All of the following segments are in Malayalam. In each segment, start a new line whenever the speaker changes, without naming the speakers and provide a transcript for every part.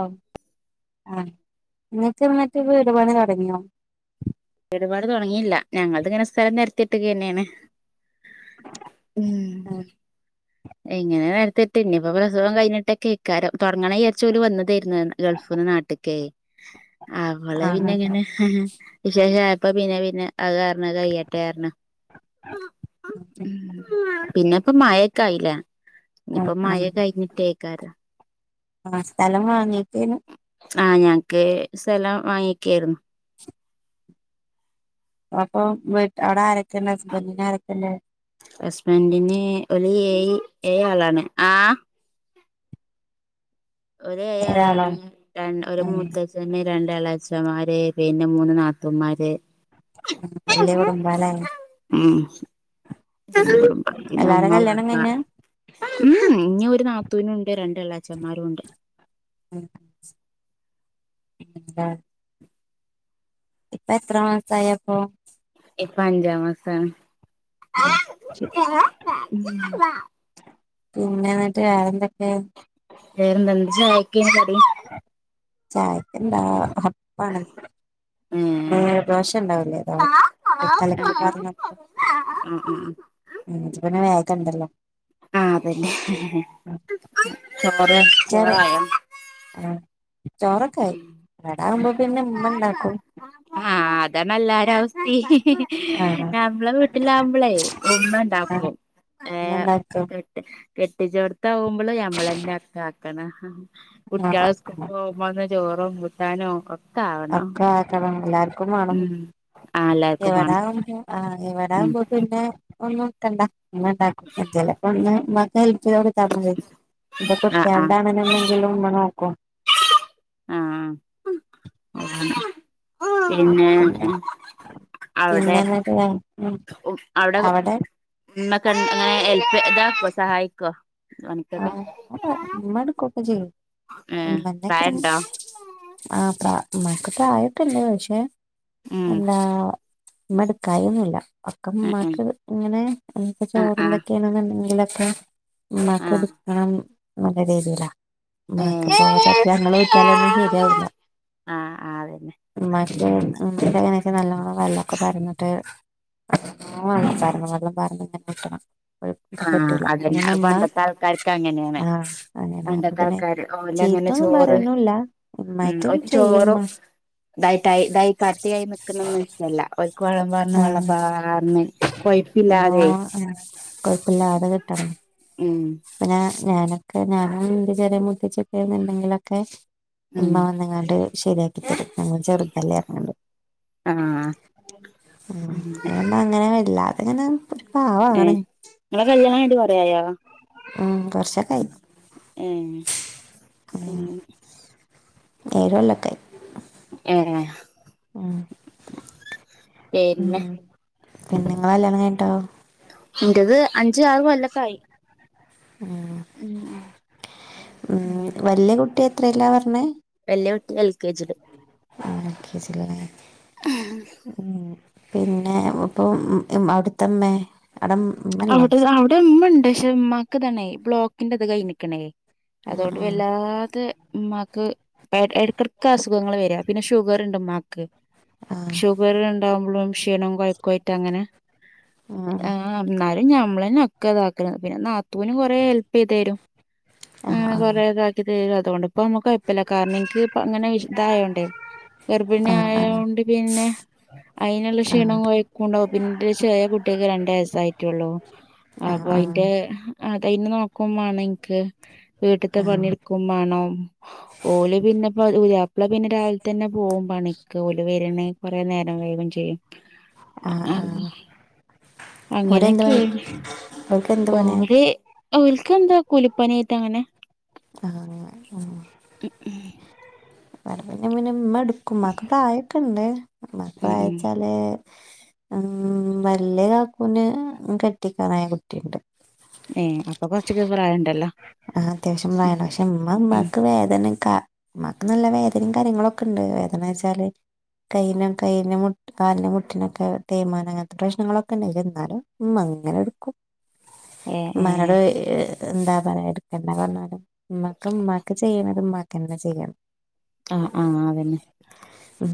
ആം ആഹ് ഇങ്ങക്ക് മറ്റെ വീട് പണി തൊടങ്ങിയോ?
വീട് പണി തൊടങ്ങിയില്ല ഞങ്ങൾത് ഇങ്ങനെ സ്ഥലം നെരത്തിട്ടേക്കെന്നെയാണ്. ഉം എങ്ങനെ നെരത്തിട്ട് ഇനിയിപ്പൊ പ്രസവം കഴിഞ്ഞിട്ട്ക്കെക്കാരം തൊ ടങ്ങണെ വിയാരിച്ച് ഓല് വന്നതെര്ന്നു ഗൾഫ് ന്ന് നാട്ട്ക്കെ
ആ
അവള്
ആ
പിന്നെ ഇങ്ങനെ ഹെ ഹെ വിശേഷായപ്പോ പിന്നെ പിന്നെ അഹ് കാരണം അഹ്‌ കയ്യട്ടെന്ന്
[inaudible]
പിന്നെ ഇപ്പ മഴക്കായിലെ
ആ
ഇഞ്ഞിപ്പ
ആ
മഴ കഴിഞ്ഞിട്ടേക്കാരം
ആ സ്ഥലം വാങ്ങിക്കേനു
ആ ഞങ്ങക്ക് സെലം വാങ്ങിക്കേര്ന്നു
അപ്പൊ വീട്ട് അടെ ആരൊക്കെണ്ട് ഹസ്ബന്റ് ന് ആരൊക്കെല്ലേ
ഹസ്ബന്റ്ന് ഓല് ഏഴ് ഏഴാളാണ് ആ ഓര്
ഒരാളോ
ഏഴാളാണ് മ് രൺ ഒരു
ഉം
മൂത്തച്ചന് രണ്ടളെച്ചമാര് പിന്നെ മൂന്ന് നാത്തൂമാര്
വല്ല്യ കുടുംബാല്ലേ
ഉം
ഉം
പിന്നെ
എല്ലാരെ
ഉമ്മ
കല്യാണം
വാപ്പ
കഴിഞ്ഞാ
മ് മ് ഇഞ്ഞ് ഒരു നാത്തൂന്ണ്ട് രണ്ട്ളച്ചൻമാരുണ്ട്
[inaudible] ഇപ്പ എത്ര മാസായപ്പം
ഇപ്പ അഞ്ചാമാസാ
അ [inaudible]
[inaudible]
പിന്നെ ന്നിട്ട് വേറെ എന്തെക്കെ
വേറെന്ത [inaudible] ചായക്ക് കടി
ചായക്കെന്താ അപ്പാണ്
ഏഹ്
ദോശ ഉണ്ടാവൂലെ ഇ കലക്കി പാർന്ന
അ ആ
ഉം പിന്നെ വേഗ ഇണ്ടല്ലോ
ആ അതന്നെ ചോറ്
ഉം ചെറി
ചോറായൊ
ആ ചോറൊക്കായി ഇവിടാവുമ്പോ പിന്നെ ഉമ്മ ഇണ്ടാക്കും
ആ അതാണല്ലാ എല്ലാവരെയും അവസ്ഥ ഹി ഹി ഹി
ആഹ്
നമ്മളെ വീട്ടിലാവുമ്പളേ
ആഹ്
ഇമ്മണ്ടാക്കും ഏ
ഉമ്മ ഇണ്ടാക്കും
കേട്ട് കെട്ടിച്ചെടുത്താവുമ്പള്
ആഹ്
ചോറോ മുത്താനോ ഒക്ക
അക്ക [unintelligible] ക്ക മാണം
ഉം ആഹ് എല്ലാർക്കും വാണം
ഇവിടാവുമ്പ പി ആ ഇ
ഉം
വിടാവുമ്പോ പിന്നെ ഒന്ന്ത്തണ്ട ഇമ്മ ഇണ്ടാക്കും ചിലപ്പ ഒന്ന് ഇമ്മാക്ക് ഹെല്പ് ചെയ്തുകൊടുക്കും ഇതാവുമ്പള് ഇത്
ആഹ്
കുട്ടി
ആഹ്
കു [inaudible]
ആഹ് പിന്നെ അവിടെ
പിന്നെ എന്തൊക്കെണ്
അവിടെ മ്മക്കെ എങ്ങനെ ഹല്പ് ഇതാക്കോ സഹായിക്കോ പണിക്കൊക്കെ
ആഹ മ്മട്ക്കൊക്കെ ചെയ്യും
ഏഹ്
മ്മന്റത്ര
പ്രായണ്ടോ
മ്മാക്ക് പ്രായോട്ടില്ല പക്ഷെ
ഉം
[unintelligible] എല്ലാ മ്മ എടുക്കായിഒന്നുല്ല ഒക്കെ
ഉം
മ്മാക്ക് ഇങ്ങനെ എന്ത
ഉം ആഹ്
ചോറ്ന്തൊക്കെയാണെന്നുണ്ടെങ്കിലൊ- ക്കെ മ്മാക്ക്
ആഹ്
ഇട്ക്കണം ന്നൊള്ള രീതിയിലാ മ്മാക്ക് ചോറ്
ആഹ്
ചെല്പം ങ്ങങ്ങള്
ആഹ്
ഊറ്റി യാലൊന്നും ശരിയാവൂല
ആഹ് അതന്നെ
അങ്ങനെയൊക്കെ നല്ലോണം വെള്ളൊക്കെ പാർന്നിട്ട് നല്ലോണം വള്ളം പാരണം വള്ളം പാർന്നിട്ടെന്നേ ഊറ്റണം
ആഹ്
പറ്റൂല
അതന്നെ
അപ്പോത്തിന്
അത്
മ്മാ
പണ്ടത്തെ ആൾക്കാർക്ക് അങ്ങനെയാണ്
ആഹ അങ്ങനെ അപ്പൊ
പണ്ടത്തെ
പിന്നെ
ആൾക്കാര് ഓലങ്ങനെ
ചീത്തൊന്നും
ചോറ്
പറയൊന്നുംല്ല. മ്മായിട്ടും ചെയ- ചെയ്യുമ്മ [unintelligible]
അതായിട്ടായി കട്ടിയായി നിക്കണൊന്നും ഇഷ്ടല്ല. ഓല്ക്ക് വെള്ളം പാർന്ന്
ആ
വെള്ളം പാർന്ന് കൊ - കൊഴുപ്പില്ലാതെ
കൊഴുപ്പില്ലാതെ കിട്ടണം
ഉം
പിന്നെ ഞാനൊക്കെ ഞാനും ഇന്റെ ചെറിയ മൂത്തച്ചിയൊക്കെ എന്നുണ്ടെങ്കിലൊക്കെ-
ഉം
ഉമ്മ വന്നങ്ങണ്ട് ശരിയാക്കി തരും ഞങ്ങ ചെറുതല്ലേ പറഞ്ഞുങ്ങണ്ട്
ആഹ്
ഉം
അങ്ങനെ
അതോണ്ട് അങ്ങനെ വരില്ല
ഏ നിങ്ങളെ കല്യാണം കഴിഞ്ഞിട്ട് കൊറേ ആയോ
ഉം കൊറച്ചൊക്കെ ആയി
ഏ എങ്ങനെ
നേരമില്ല അക്കെ
ഏ
ഉം
പിന്നെ
ഉം പിന്നെ നിങ്ങളെ കല്യാണം കഴിഞ്ഞിട്ടോ
എന്റത് അഞ്ച് ആറ് കൊല്ലൊക്കെ ആയി ഉം ഉം
ഉം
അങ്ങനെ
വല്യ കുട്ടി എത്രേലാ പറഞ്ഞേ
വല്യ കുട്ടി എൽ കെ ജി ല്
ആ എൽ കെ ജി ല് ലെ ഉം പിന്നെ ഇപ്പം അവിടുത്തമ്മേ അവിടെ ഉമ്മല്ലേ
അവിടെ അവിടെ ഉമ്മ ഉണ്ട് പക്ഷെ ഉമ്മാക്ക് തണേ ബ്ലോക്കിന്റെ കഴിഞ്ഞക്ക്ണേ
ആ
അതോണ്ട്
ആ
വല്ലാതെ- ഉമ്മാക്ക് ഇടയ്ക്കിടക്ക് അസുഖങ്ങള് വര പിന്നെ ഷുഗർ ഉണ്ട് ഉമ്മാക്ക്
ആ
ഷുഗർ ഉണ്ടാവുമ്പളും ക്ഷീണംവും കൊയ്ക്കും ആയിട്ട് അങ്ങനെ-
ആഹ
ആ, എന്നാലും ഞമ്മളന്നേ ഒക്കെ ഇതാക്കണത്. പിന്നെ നാത്തൂനും കുറേ ഹെൽപ് ചെയ്തരും ആ കൊറെ ഇതാക്കി തരും അതുകൊണ്ട് ഇപ്പ നമ്മുക്ക് കൊ - കൊഴപ്പല്ല കാരണം എനിക്ക് ഇങ്ങനെ ഇതായൊണ്ടേ ഗർഭിണി
ആ ആ
ആയൊണ്ട് പിന്നെ അതിനുള്ള
ആ ആ
ക്ഷീണം കൊയക്കും ണ്ടാവും പിന്നെ ചെറിയ കുട്ടിക്ക് രണ്ട് വയസായി- പറ്റുള്ളൂ അപ്പൊ
ആ
അതിന്റെ അതയ്നെ നോക്കുമ്മാണം ഇനിക്ക്- വീട്ട്ത്തെ പണിട്ക്കുമ്മാണം ഓല് പിന്നെപ്പ പുത്യാപ്ല പിന്നെ രാവിലെ തന്നെ പോകുമ്പ- ഓല് വരണേ കൊറെ നേരം കൈയും ചെയ്യും
ആ ആ
അ
ആ
അങ്ങനെ-
ഓരെന്ത് പണി
അങ്ങനെക്കേണ്.
അവർക്ക് എന്ത് പണിയാ
ഓല് ഓല്ക്കെന്താ കൂലിപ്പണിയായിട്ട് അങ്ങനെ
ആ ആ പിന്നെ മ്മ എടുക്കും ഉമാക്ക് പ്രായൊക്കെ ഇണ്ട് മ്മാക്ക്
ഉം ഉം
പ്രായച്ചാല്- ഉം വല്യ താത്തൂന് കെട്ടിക്കാറായ കുട്ടിയുണ്ട്
ഏ അപ്പൊ കൊറച്ചൊക്കെ പ്രായംണ്ടല്ലോ
ആ അത്യാവശ്യം പ്രായ പക്ഷെ ഉമ്മ
ഉം
ഉമമാക്ക് വേദനക്ക ഉമമാക്ക് നല്ല വേദന- കാര്യങ്ങളൊക്കെ ഉണ്ട് വേദന വെച്ചാല് കൈയിലു കാലിന്റെ മുട്ടിനൊക്കെ തേമാനം അങ്ങനത്ത പ്രശ്നങ്ങളൊക്കെന്നെ വരുന്നാലും ഉമ്മ അങ്ങനെ എടുക്കും
ഏ ഏ
ഉമ്മാടെ എന്താ പറ എടുക്കണ്ട പറഞ്ഞാലും ഉമ്മക്ക് ചെയ്യണത് ഉമ്മക്ക് ചെയ്യണം
ആഹ് ആഹ അതന്നെ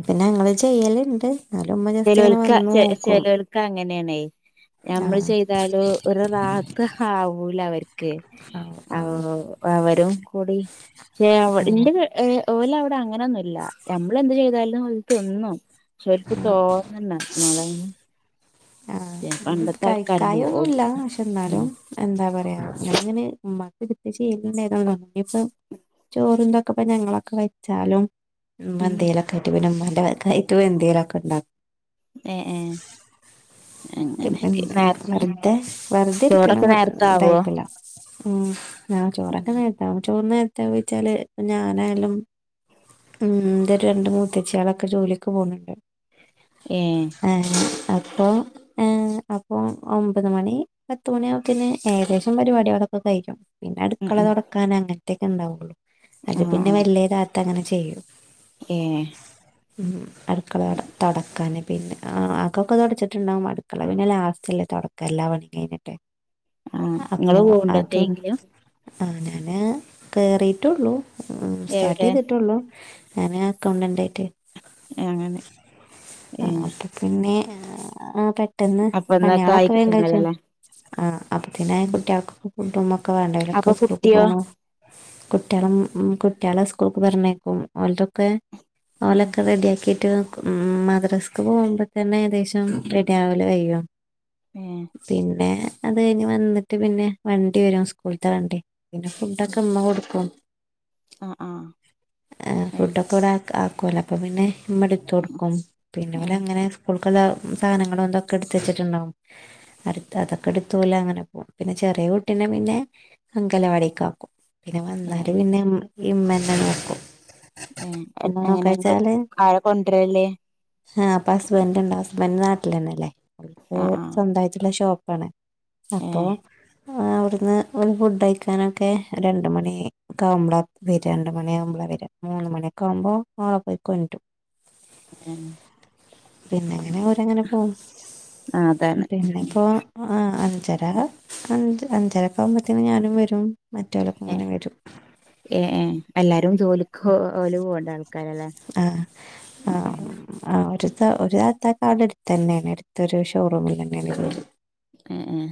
പിന്നെ അങ്ങൾ ചെയ്യലുണ്ട് എന്നാലും ഉമ്മ ജസ്റ്റ് ഇങ്ങനെ വന്ന് നോക്കും
ചെലൽക്ക അങ്ങനെയണ നമ്മള്
ആഹ്
ചെയ്താലോ ഒരു റാത് ആവൂല അവർ
ആഹ് ആഹ്
അവരും കൂടി
ഉം
എന്റെ- ഓല അവിടെ അങ്ങനെൊന്നുമല്ല നമ്മള എന്ത് ചെയ്താലല തിന്നും ഓൽക്ക് തോന്നണ്ട മളെ [unintelligible]
ആഹ ഇക്കാ ഒന്നുമല്ല
ഓൽക്ക്
പക്ഷെ
ഉം
എന്നാലും എന്താ പറയാ ഞാനിങ്ങനെ ഇമ്മാക്ക് കൃത്യ ചെയ്യലണ്ട് ഏതാന്നാലും ഇപ്പം ചോറ്ണ്ടൊ ഇപ്പ ഞങ്ങളൊക്കെ വെച്ചാലും ഇമ്മ
ഉം
എന്തേലൊക്കായിട്ടു പിന്നെ ഇമ്മ വകായിട്ട് എന്തലൊക്കെണ്ടാ
ഏ ഏ അങ്ങനെയൊക്കെ നേര
[unintelligible] വെറുതെ വെറുതേടുക്ക്ണ
ചോറൊക്കെ
മാ
നേരത്തെ ആവോ
ഇതായിട്ടല്ല ഉം ഞാൻ ചോറൊക്കെ നേരത്താവും ചോറ് നേരത്താവുച്ചാല് ഞാനായാലും ഉം ഇന്റെ രണ്ട് മൂത്തച്ചിയാളൊക്കെ ജോലിക്ക് പോവ്ന്നുണ്ട്
ഏ
ഏഹ് അപ്പം ഏ അപ്പൊ ഒമ്പത് മണി പത്തുമണിയാകുമ്പത്തേന് ഏകദേശം പരിപാടികളൊക്കെ കഴിയും പിന്നെ
ഉം
അടുക്കള
ഉം
തൊടക്കാന് അങ്ങനത്തക്കെ ഇണ്ടാവുള്ളു അത്
ആ
പിന്നെ
ആ
വല്ല്യ താത്ത അങ്ങനെ ചെയ്യും
ഏ
ഉം അടുക്കള തൊടക്കാന് പിന്നെ ആ അകൊക്കെ തൊടച്ചിട്ടുണ്ടാവും അട് ക്കള പിന്നെ ലാസ്റ്റ്ല്ലേ തൊടക്ക എല്ലാ പണി കഴിഞ്ഞിട്ട്
ആ
അപ്പൊ
ഇങ്ങള് പോവ്ണ്ടോ
അതും
എത്തേങ്കിലും
ആ ഞാന് കയറിയിട്ടുള്ളൂ ഉം
എവിടെ
സ്റ്റാർട്ടെയ്തിട്ടുള്ളൂ ഞാനെ അക്കൗണ്ടന്റായിട്ട്
അങ്ങനെ
ആ
ഏ
അപ്പൊ പിന്നെ ആ പെട്ടെന്ന്
അപ്പൊന്നൊക്കെ ആയി
പണിയാളൊക്കെ വേം കഴിച്ചും
കിട്ടണല്ലോല്ലേ
ആഹ് അപ്പൊത്തിന് കുട്ട്യാൾക്ക് ഫുഡ് ഫുഡുമൊക്കെ വേണ്ടെ ഓലൊക്കെ
അപ്പൊ
സ്കൂൾ
കുട്ടിയോ
പോണോ കുട്ട്യാള ഉം ഉം കുട്ട്യാളെ സ്കൂൾക്ക് പറഞ്ഞേക്കും ഓല്തൊക്കെ
ഉം
ഓലൊക്കെ റെഡിയാക്കിട്ട് നിക്കും ഉം മദ്രാസക്ക് പോവുമ്പതന്നെ ഏകദേശം റെഡിയാവ ല് കഴിയ്യും
ഏ
പിന്നെ അത് കഴിഞ്ഞ് വന്നിട്ട് പിന്നെ വണ്ടി വരും സ്കൂള്ത്തെ വണ്ടി പിന്നെ
ഉം
ഫുഡൊക്കെ ഇമ്മ കൊടുക്കും
ആഹ് ആഹ് ഏ
കാക്കൂനൊക്ക പിന്നെ ഇമ്മെടുത്ത് കൊടുക്കും പിന്നെ
ഏഹ്
ഓലങ്ങനെ സ്കൂൾക്കുള്ള ഉം സാധനങ്ങളും എന്തൊ ക്കെ എടുത്ത് വെച്ചിട്ടുണ്ടാവും അട്ത്താ അതൊക്കെട്ത്ത് ഓലങ്ങനെ പോവും പിന്നെ ചെറിയ കുട്ടിനെ പിന്നെ അങ്കലവാടീക്കാക്കും പിന്നെ
ഏഹ്
വന്നാലും
ഏഹ്
പിന്നെ ഇമ്മന്നെ നോക്കും
ഏഹ് അങ്ങനെ ഇങ്ങള്
നോക്കാച്ചാല്
ആരാ കൊണ്ടരല്
ആ ഹസ്പ്പന്റുണ്ടാവും ഹസ് ബന്റ് നാട്ടിലന്നെല്ലേ അവര്ക്ക്
ആഹ് ആഹ്
സ്വന്തായിട്ടുള്ള ഷോപ്പാണ് അപ്പൊ
ഏഹ്
ആ അവിടുന്ന് ഓല് ഫുഡഴിക്കാനൊക്കെ രണ്ട് മണി ഒക്കാവുമ്പള വരാ രണ്ട് മണി ആവുമ്പളാ വരാ മൂന്ന് മണിയൊക്കാവുമ്പോ ഓളെ പോയികൊണ്ടരും
ഏഹ്
പിന്നെങ്ങനെ ഓലങ്ങനെ പോവും
ആഹ് അതാണ്
പിന്നെ ഇപ്പോ ആ അഞ്ചരാ അഞ് അഞ്ചരാക്കാവുമ്പത്തേനും ഞാനും വരും മറ്റവരൊക്കെ
ഏ
ഇങ്ങനെ വരും
ഏ ഏ എല്ലാരും ജോലി ക്കോല് പോണ്ടാള്ക്കാരല്ലേ ഉം
ഒരുത്ത ഒരു താത്തക്കാടെ അടുത്തന്നെയാണ് എടുത്തൊരു ഷോറൂമിൽ തന്നെയാണ്ത്
ആ ആ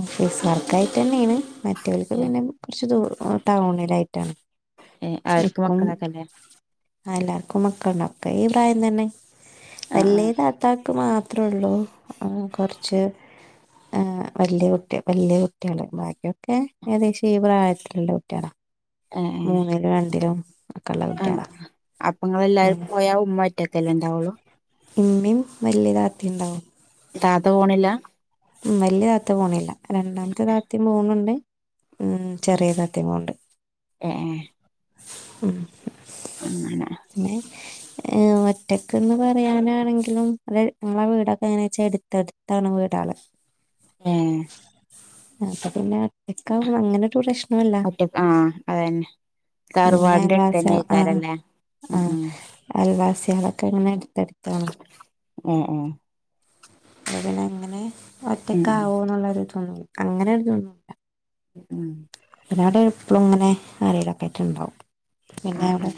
ഓഫീസ് വർക്കായിട്ടെന്നേണ് മറ്റോല്ക്ക്
ഏഹ്
പിന്നെ കൊറച്ചു ദൂ ഓന് ടൗണിലായിട്ടാണ്
ഏ അവർക്ക്
നിൽക്കും
മക്കളാക്കല്ലേ
ആ എല്ലാവർക്കും മക്കളുണ്ട് ഒക്കെ ഈ പ്രായം തന്നെ
ആഹ്
വല്ല്യ
ആഹ്
താത്താക്ക് മാ ത്രള്ളൂ ആ കൊറ്ച്ച്
[unintelligible]
വല്ല്യ കുട്ടി വല്ല്യ കുട്ട്യാള് ബാക്കിയൊക്കെ ഏകദേശം ഈ പ്രായത്തിലുള്ള കുട്ട്യാളാ
ഏഹ് ഏഹ്
മൂന്നിലും രണ്ടിലും ഒക്കെള്ള കുട്ട്യാളാ
അപ്പങ്ങളല്ലാരും പോയാ ഉമ്മ ഒറ്റക്കല്ലേ ഉണ്ടാവുള്ളു
ഇമ്മിം വല്ല്യ താത്തിണ്ടാവും
താത്ത പോണില്ല
ഉം വല്ല്യ താത്ത പോണില്ല രണ്ടാമത്തെ താത്തിം പോണുണ്ട് ഉം ചെറിയ താത്തിം പോണുണ്ട്
എ ഏ
ഉം
അങ്ങനെ
ഒറ്റയ്ക്കന്ന് പറയാനാണെങ്കിലും അ ഞങ്ങളെ വീടൊക്കെ എങ്ങനാ വെച്ചാ എട്ത്ത്ടുത്തണ വീടാ ണ്
ഏ
അപ്പൊ പിന്നെ ഒറ്റക്കാ അങ്ങനെരു പ്രശ്
ഒറ്റക്ക് ആ അതന്നെ
അങ്ങനെ
തർവാട്ന്റെ
അയൽവാസി
എട്ത്തെന്നെ ഏ യിക്കാരല്ലേ ഉം ഉം
വാസിയളൊക്കെ ഇങ്ങനെ എട് ത്തട്ത്താണ്.
എ ഏ
അ പിന്നെ അങ്ങനെ ഒറ്റക്ക
ഉം
ആകോന്നുള്ള ഒരു തോന്ന് അങ്ങനെ ഒരു തൊന്നുല്ല
ഉം
പിന്നെ അവിടെ എപ്പ്ളുങ്ങനെ ആരേലൊക്കെ ആയിട്ട്ണ്ടാവും പിന്നെ
ആഹ്
അവിടെ
ആഹ്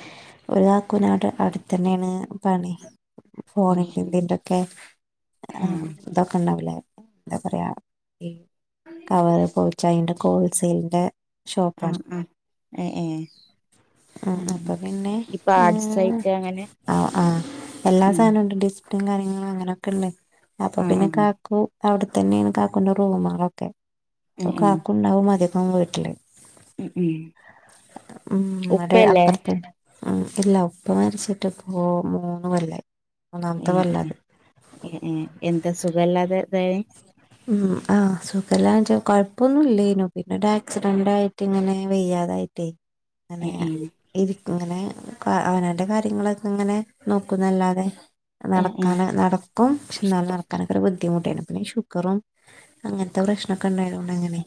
ഒരു കുനാട് അടുത്ത തന്നെയാണ് പണി
ഉം
ഫോണിന്റെ ഇന്തിന്റൊക്കെ
ഉം
ഇതൊക്കെ ഇണ്ടാവുല്ലേ എന്താ പറയാ കവറ് പോച്ച അയിന്റെ ക്കെ ഹോൾസെയിലിന്റെ
ആഹ
ഷോപ്പാണ്
ആഹ എ ഏ അ
അപ്പൊ
ഈ പാട്സായിട്ട് അങ്ങനെ
ആ ആഹ് എല്ലാ
ഉം
സാനം ഇണ്ട് ഡിസ് കാര്യങ്ങളും അങ്ങനെയൊക്കെ ഉണ്ട്. അപ്പൊ
ആഹ്
പിന്നെ
ആഹ്
കാക്കു അവിടെത്തന്നെയാണ് കാക്കുന്റെ റൂമുകളൊക്കെ പ്പ
ഉം ഉം
കാക്കുണ്ടാവും അധികം വീട്ട്ല്
ഉം ഉം
ഉം ഒരു
ഉപ്പല്ലേ
അപ്പർത്തെ ആ ഇല്ല ഉപ്പ മര്ച്ചിട്ട് പ്പൊ മൂന്നു കൊല്ലായി.
ഏ
മൂന്നാമത്തെ കൊല്ലാ അത്
എന്താ സുഖല്ലാതെ ഇതായെ
ഉം ആ സുഖല്ലാ കൊഴപ്പൊന്നും ഇല്ലനോ പിന്നെ ഒരു ആക്സിഡന്റ് ആയിട്ട് ഇങ്ങനെ വെയ്യാതായിട്ടേ അങ്ങനെ
ഏ ഏ
ഇ ഇങ്ങനെ അവനാന്റെ കാര്യങ്ങളൊക്കെ ഇങ്ങനെ നോക്കുന്നല്ലാതെ
ഏ ഏ
നടക്കാന നടക്കും പക്ഷെ എന്നാലും നടക്കാനൊക്കെ ഒരു ബുദ്ധിമുട്ടേ ന്നു പിന്നെ ശു ഗറും അങ്ങൻത്തെ പ്രശ്നക്കെ ഇ ണ്ടായതോണ്ട് അങ്ങനെ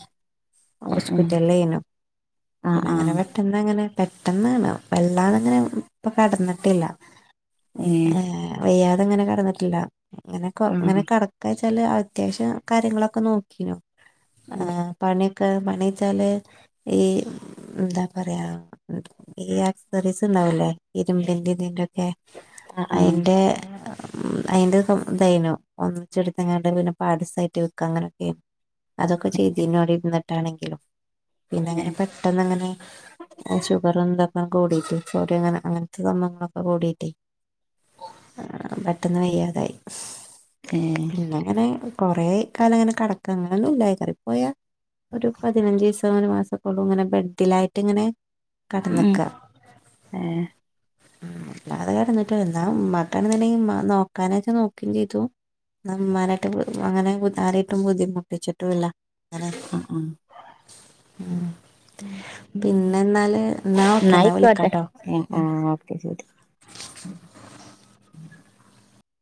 ഏ ഏ
ഹോസ്പിറ്റല്ലേ നു
ആഹ്
പിന്നെ അങ്ങനെ
ആഹ്
പെട്ടെന്ന് അങ്ങനെ പെട്ടെന്നാണ് വെല്ലാതങ്ങനെ ഇപ്പ കടന്നിട്ടില്ല.
ഏ
വയ്യാതെ ഇങ്ങനെ കെട്ന്നിട്ടില്ല. ഇങ്ങനെ ഇങ്ങനെ
ആഹ്
കടക്ക ച്ചാല് അത്യാവശ്യം കാര്യങ്ങളൊക്കെ നോക്കീനു
ഉം
പ പണിച്ചാല് ഈ ന്താ പറയാ ഈ ആക്സസറീസ് ല്ലേ ഇരുമ്പിന്റിം ഇതിന്റൊക്കെ
ആഹ്
അയി
ആഹ്
ന്റെ ഉം അയിന്റെ ഇതായിനു ഒന്നിച്ചെടുത്ത്ങ്ങാണ്ട് പിന്നെ പാട് സായിട്ട് വിക്ക അങ്ങനൊക്കെയ അതൊക്കെ ചെയ്തീനു അവ്ടെ ഇരുന്നിട്ടാണെങ്കിലും പിന്നെ അങ്ങനെ
ഏ
പെട്ടെന്ന് അങ്ങനെ ഷുഗർ എന്താ കൂടിട്ട് സോഡിയം അങ്ങനെ അങ്ങനത്തെ സംഭങ്ങളൊക്കെ കൂടിട്ടേ ആ പെട്ടെന്ന് വയ്യാതായി
ഏ
പിന്നെങ്ങനെ കൊറെ കാലം അങ്ങനെ, കേടക്ക അങ്ങനെന്നും ഇല്ല ഏറി പോയാ ഒരു പതിനഞ്ചിസം ഒരു മാസം ഒക്കെ ഒള്ളൂ ഇങ്ങനെ ബെഡിലായിട്ട് ഇങ്ങനെ
ഉം ഏ
ഉം അല്ലാതെ കെട്ന്നിട്ടോ എന്താ ഉമ്മാക്കണെങ്കി നോക്കാനച്ച നോക്കിം ചെയ്തു ന്നാ ഉമ്മനായിട്ട് അങ്ങനെ ആരെയിട്ടും ബുദ്ധിമുട്ടിച്ചിട്ടും ഇല്ല ഇങ്ങനെ ഉം പിന്നെ എന്നാല് എന്നാ ഓക്കെ എന്നാ
ന്നായിക്കോട്ടെ
വിളിക്കാട്ടോ ഉം.
ആഹ് ഓക്കെ ശെരി. [inaudible]